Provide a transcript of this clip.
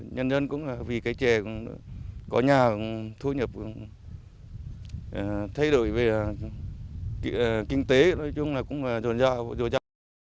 nhân dân cũng vì cây chè có nhà thu nhập thay đổi về kinh tế nói chung là cũng rộn rã